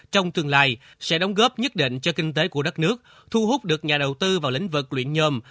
trong tương lai sẽ đóng góp nhất định cho kinh tế của đất nước thu hút được nhà đầu tư vào lĩnh vực luyện nhôm